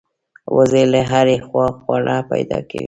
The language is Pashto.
وزې له هرې خوا خواړه پیدا کوي